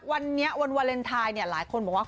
วันนี้วันวาเลนไทยเนี่ยหลายคนบอกว่า